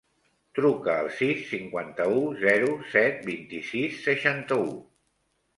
Truca al sis, cinquanta-u, zero, set, vint-i-sis, seixanta-u.